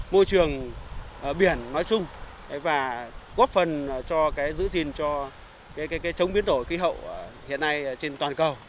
môi trường biển nói chung và góp phần cho giữ gìn cho chống biến đổi khí hậu hiện nay trên toàn cầu